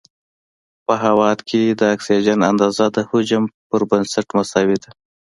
په هوا کې د اکسیجن اندازه د حجم په بنسټ مساوي ده.